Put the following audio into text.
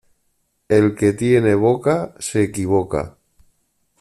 El que tiene boca se equivoca.